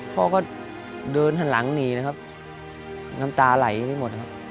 พ่อก็เดินหลังหนีนะครับน้ำตาไหลที่นี่หมดนะครับ